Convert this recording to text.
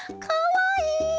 かわいい！